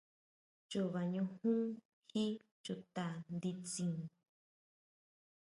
Chuba ñujún jí chuta nditsin.